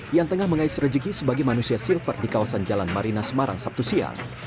yang tengah mengais rejeki sebagai manusia silver di kawasan jalan marina semarang sabtu siang